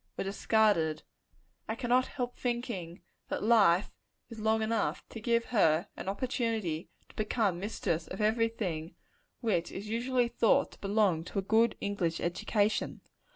were discarded I cannot help thinking that life is long enough, to give her an opportunity to become mistress of every thing which is usually thought to belong to a good English education.